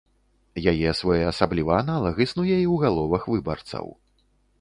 Яе своеасаблівы аналаг існуе і ў галовах выбарцаў.